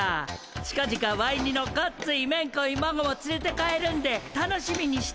ちかぢかワイ似のごっついめんこいまごもつれて帰るんで楽しみにしててや。